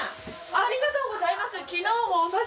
ありがとうございます！